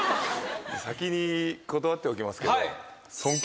先に断っておきますけど。